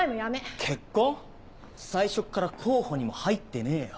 最初っから候補にも入ってねえよ。